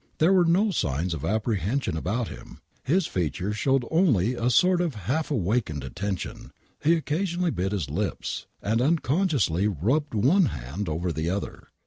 There were no signs of apprehension about him; his features showed only a sort of half awakened attention ; he occasionally bit his lips, and unconsciously rubbed one hand over the other.